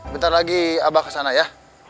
bentar lagi abah kesana ya